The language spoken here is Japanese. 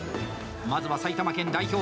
まずは埼玉県代表